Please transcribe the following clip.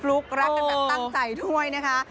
ลุกรักกันแบบตั้งใจด้วยนะคะ